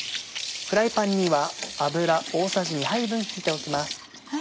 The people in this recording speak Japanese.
フライパンには油大さじ２杯分引いておきます。